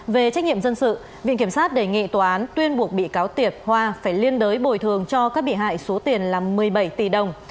về trách nhiệm dân sự viện kiểm sát đề nghị tòa án tuyên buộc bị cáo tiệp hoa phải liên đới bồi thường cho các bị hại số tiền là một mươi bảy tỷ đồng